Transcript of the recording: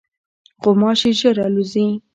غوماشې ژر الوزي.